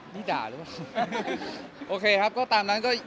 พี่ด่าหรือเปล่า